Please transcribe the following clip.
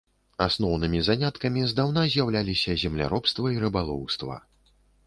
Асноўнымі заняткамі здаўна з'яўляліся земляробства і рыбалоўства.